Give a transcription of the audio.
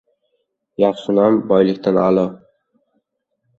Yaxshi nom — boylikdan a’lo.